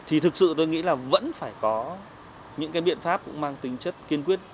thì thực sự tôi nghĩ là vẫn phải có những cái biện pháp cũng mang tính chất kiên quyết